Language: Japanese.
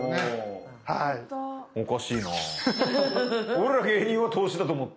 俺ら芸人は投資だと思って。